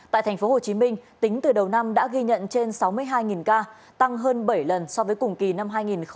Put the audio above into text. tại tp hcm tính từ đầu năm đã ghi nhận trên sáu mươi hai ca tăng hơn bảy lần so với cùng kỳ năm hai nghìn một mươi tám